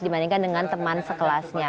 dibandingkan dengan teman sekelasnya